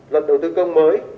luật đầu tư công mới